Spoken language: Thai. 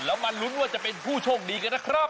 แล้วมาลุ้นว่าจะเป็นผู้โชคดีกันนะครับ